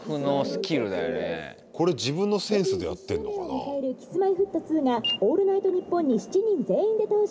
「Ｋｉｓ−Ｍｙ−Ｆｔ２が『オールナイトニッポン』に７人全員で登場」。